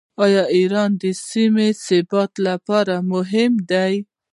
آیا ایران د سیمې د ثبات لپاره مهم نه دی؟